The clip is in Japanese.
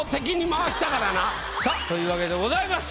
というわけでございまして。